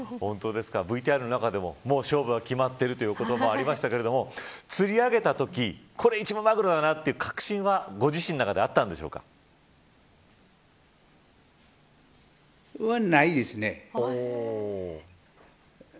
ＶＴＲの中でも勝負はもう決まってるということばがありましたが釣り上げたときこれ一番マグロだなという確信はご自身の中でないですね。